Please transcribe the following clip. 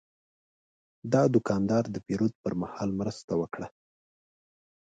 دا دوکاندار د پیرود پر مهال مرسته وکړه.